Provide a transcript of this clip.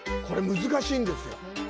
これ、難しいんですよ。